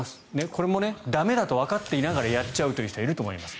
これも駄目だとわかっていながらやっちゃう人はいると思います。